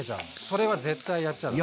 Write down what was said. それは絶対やっちゃだめ。